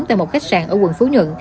tại một khách sạn ở quận phú nhận